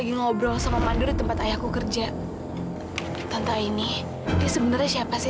kamu mau bikin honor lagi